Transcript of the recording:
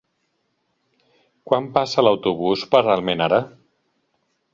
Quan passa l'autobús per Almenara?